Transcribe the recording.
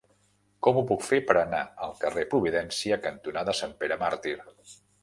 Com ho puc fer per anar al carrer Providència cantonada Sant Pere Màrtir?